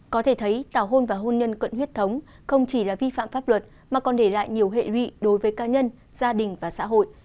có thể thấy tảo hôn và hôn nhân cận huyết thống không chỉ là vi phạm pháp luật mà còn để lại nhiều hệ lụy đối với cá nhân gia đình và xã hội